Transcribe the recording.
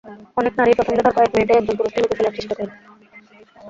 অনেক নারীই প্রথম দেখার কয়েক মিনিটেই একজন পুরুষকে মেপে ফেলার চেষ্টা করেন।